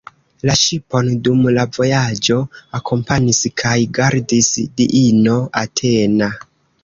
La ŝipon dum la vojaĝo akompanis kaj gardis diino Atena.